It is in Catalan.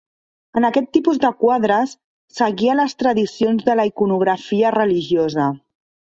En aquest tipus de quadres, seguia les tradicions de la iconografia religiosa.